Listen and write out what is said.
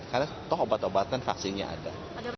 karena tok obat obatan vaksinnya ada